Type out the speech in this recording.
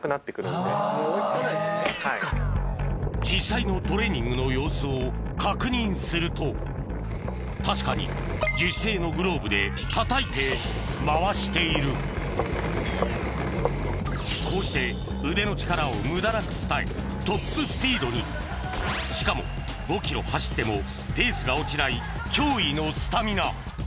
実際のトレーニングの様子を確認すると確かに樹脂製のグローブでたたいて回しているこうして腕の力を無駄なく伝えトップスピードにしかも５ｋｍ走ってもペースが落ちない驚異のスタミナ